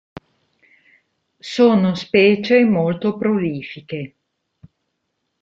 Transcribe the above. Sono specie molto prolifiche.